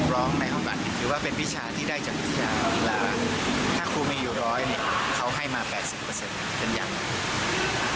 และถ้าครูไม่อยู่ร้อยเขาให้มา๘๐เป็นอย่างนั้น